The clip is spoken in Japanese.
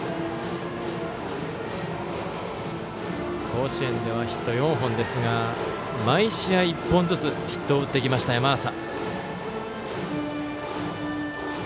甲子園ではヒット４本ですが毎試合１本ずつヒットを打ってきました、山浅。